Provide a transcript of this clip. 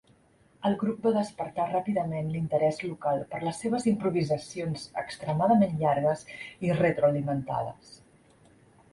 El grup va despertar ràpidament l'interès local per les seves improvisacions extremadament llargues i retroalimentades.